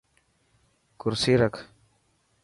ڪرسي رک.